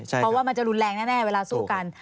เพราะว่ามันจะรุนแรงแน่เวลาสู้กัน